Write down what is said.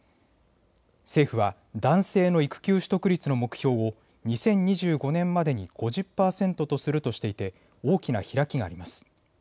政府は男性の育休取得率の目標を２０２５年までに５０％とするとしていて大きな開きがあります。